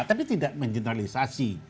tapi tidak mengeneralisasi